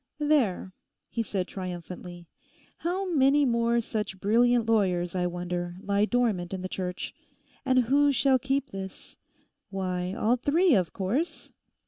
'There!' he said triumphantly, 'how many more such brilliant lawyers, I wonder, lie dormant in the Church? And who shall keep this?... Why, all three, of course.